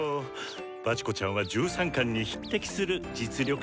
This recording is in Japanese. バチコちゃんは１３冠に匹敵する実力者だしね！